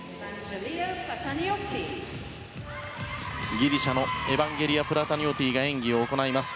ギリシャのエバンゲリア・プラタニオティが演技を行います。